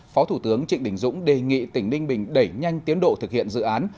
phó thủ tướng trịnh đình dũng đề nghị tỉnh ninh bình đẩy nhanh tiến độ thực hiện dự án